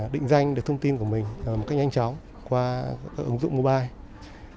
định danh được thông tin của mình một cách nhanh chóng qua ứng dụng mobile